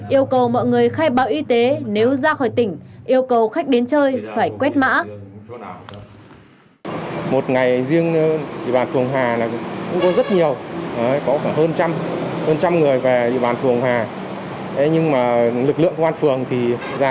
yêu cầu mọi người khai báo y tế nếu ra khỏi tỉnh yêu cầu khách đến chơi phải quét mã